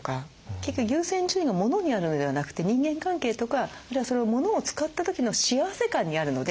結局優先順位がモノにあるのではなくて人間関係とかあるいはそのモノを使った時の幸せ感にあるので。